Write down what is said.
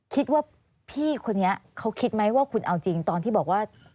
คิดว่าพี่คนนี้เขาคิดไหมว่าคุณเอาจริงตอนที่บอกว่า